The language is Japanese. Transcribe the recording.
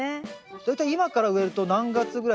大体今から植えると何月ぐらいに収穫ですか？